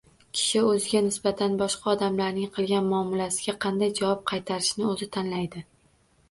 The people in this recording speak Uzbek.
Kishi o‘ziga nisbatan boshqa odamlarning qilgan muomalasiga qanday javob qaytarishini o‘zi tanlaydi.